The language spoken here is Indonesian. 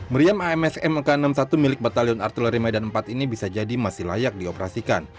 meriam amsm k enam puluh satu milik batalion artul remedan iv ini bisa jadi masih layak dioperasikan